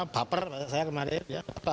baper saya kemarin ya